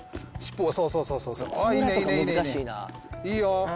いいよ。